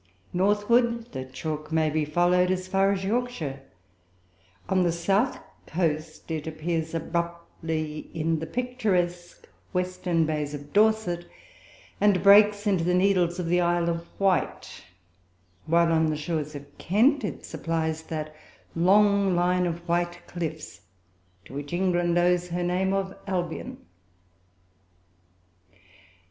Northward, the chalk may be followed as far as Yorkshire; on the south coast it appears abruptly in the picturesque western bays of Dorset, and breaks into the Needles of the Isle of Wight; while on the shores of Kent it supplies that long line of white cliffs to which England owes her name of Albion.